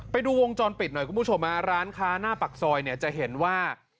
ไปดูวงจรปิดหน่อยคุณผู้ชมฮะร้านค้าหน้าปากซอยเนี่ยจะเห็นว่า